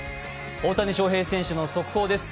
大谷翔平選手の速報です。